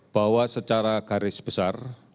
bahwa secara garis besar